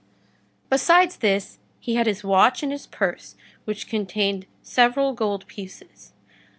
Besides this, he had his watch and his purse, which contained several gold pieces.